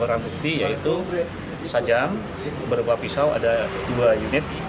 perang bukti yaitu sajam berupa pisau ada dua unit